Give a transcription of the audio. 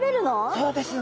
そうですよ。